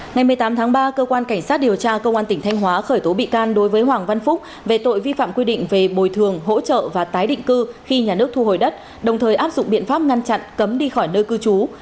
ngày một mươi tám tháng ba cơ quan cảnh sát điều tra công an tỉnh thanh hóa khởi tố bị can đối với hoàng văn phúc về tội vi phạm quy định về bồi thường hỗ trợ và tái định cư khi nhà nước thu hồi đất đồng thời áp dụng biện pháp ngăn chặn cấm đi khỏi nơi cư trú